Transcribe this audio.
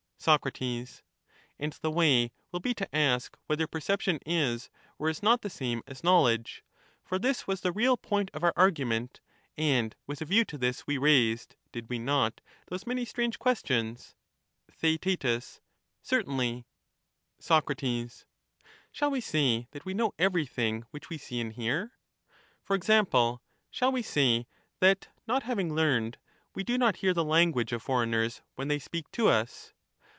\^ Soc. And the way will be to ask whether perception is or is pcrccp is not the same as knowledge ; for this was the real point of 1^"^"°^' our argument, and with a view to this we raised (did we not?) those many strange questions. • Theaet. Certainly. Soc. Shall we say that we know every thing which we see We know and hear? for example, shall we say that not having learned, ][2d h«u T* we do not hear the language of foreigners when they speak but we sec to us